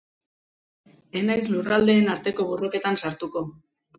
Ez naiz lurraldeen arteko borroketan sartuko.